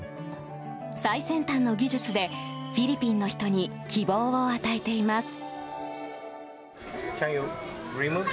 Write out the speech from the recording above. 最先端の技術でフィリピンの人に希望を与えています。